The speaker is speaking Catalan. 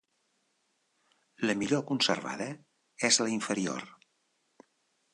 La millor conservada és la inferior.